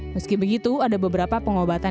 meski begitu ada beberapa pengobatan